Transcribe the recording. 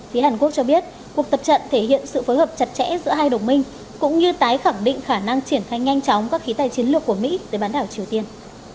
phía hàn quốc cho biết cuộc tập trận thể hiện sự phối hợp chặt chẽ giữa hai đồng minh cũng như tái khẳng định khả năng triển khai nhanh chóng các khí tài chiến lược của mỹ tới bán đảo triều tiên